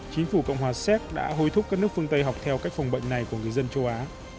chính phủ cộng hòa séc đã hối thúc các nước phương tây học theo cách phòng bệnh này của người dân châu á